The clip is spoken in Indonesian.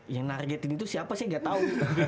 yang nagedin itu siapa sih gak tau